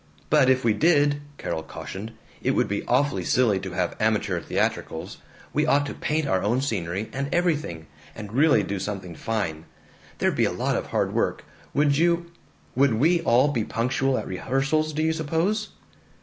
"But if we did," Carol cautioned, "it would be awfully silly to have amateur theatricals. We ought to paint our own scenery and everything, and really do something fine. There'd be a lot of hard work. Would you would we all be punctual at rehearsals, do you suppose?"